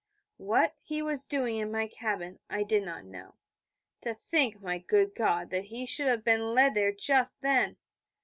What he was doing in my cabin I did not know. To think, my good God, that he should have been led there just then!